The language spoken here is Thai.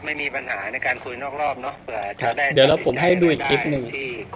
ไม่มีปัญหาในการคุยนอกรอบนะครับเดี๋ยวผมให้ดูอีกคลิปหนึ่ง